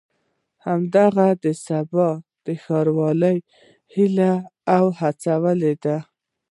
همدغه د سبا د ښه والي هیلې او هڅې دي.